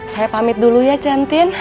saya pamit dulu ya chantin